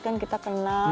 kan kita kenal